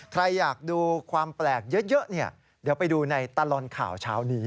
ใครอยากดูความแปลกเยอะเดี๋ยวไปดูในตลอดข่าวเช้านี้